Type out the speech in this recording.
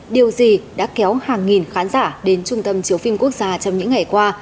điều gì đã kéo hàng nghìn khán giả đến trung tâm chiếu phim quốc gia trong những ngày qua